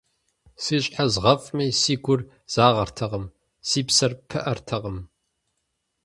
Си щхьэр згъэфӀми, си гур загъэртэкъым, си псэр пыӀэртэкъым.